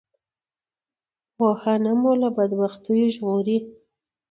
پوهنه مو له بدبختیو ژغوری